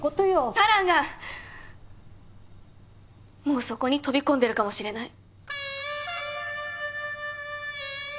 もうそこに飛び込んでるかもしれない。